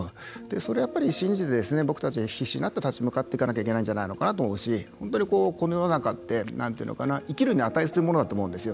それはやっぱり信じて僕たちが必死になって立ち向かっていかなければいけないと思うし本当にこの世の中は生きるに値するものだと思うんですよ。